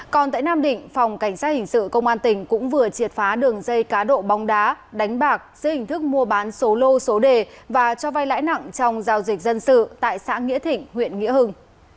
còn tại nam định phòng cảnh sát hình sự công an tỉnh cũng vừa triệt phá đường dây cá độ bóng đá đánh bạc dưới hình thức mua bán số lô số đề và cho vay lãi nặng trong giao dịch dân sự tại xã nghĩa thịnh huyện nghĩa hưng